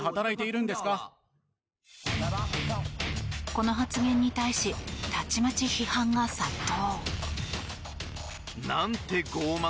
この発言に対したちまち批判が殺到。